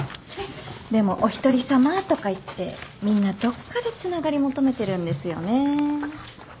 でもお一人さまとかいってみんなどっかでつながり求めてるんですよね。